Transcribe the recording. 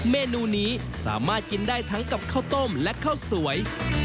เมนูนี้สามารถกินได้ทั้งกับข้าวต้มและข้าวสวย